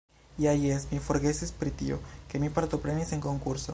Ha jes, mi forgesis pri tio, ke mi partoprenis en konkurso